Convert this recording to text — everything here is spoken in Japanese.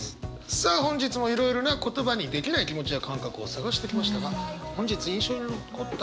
さあ本日もいろいろな言葉にできない気持ちや感覚を探してきましたが本日印象に残った言葉